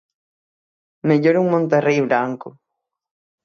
Mellor un Monterrei branco!